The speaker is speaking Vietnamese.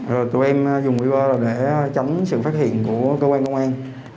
rồi tụi em dùng quay qua để tránh sự phát hiện của cơ quan công an